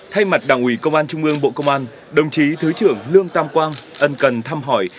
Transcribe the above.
thay mặt đảng ủy công an trung ương bộ công an đồng chí thứ trưởng lương tam quang ẩn cần thăm hỏi